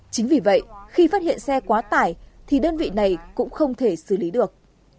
chính vì vậy khi phát hiện xe quá tải thì đơn vị này cũng không thể xử lý được